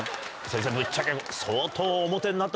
先生ぶっちゃけ相当。